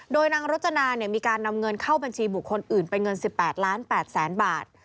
โดยนางรจนามีการนำเงินเข้าบัญชีบุคคลอื่นเป็นเงิน๑๘ล้าน๘แสนบาท